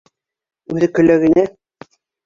Үҙе көлә генә.